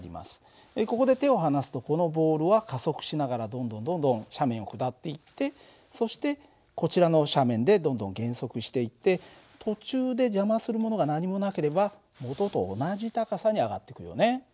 ここで手を離すとこのボールは加速しながらどんどんどんどん斜面を下っていってそしてこちらの斜面でどんどん減速していって途中で邪魔するものが何もなければ元と同じ高さに上がってくよね。